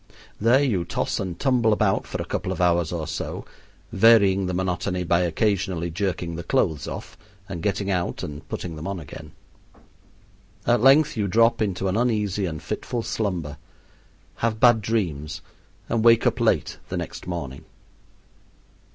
There you toss and tumble about for a couple of hours or so, varying the monotony by occasionally jerking the clothes off and getting out and putting them on again. At length you drop into an uneasy and fitful slumber, have bad dreams, and wake up late the next morning.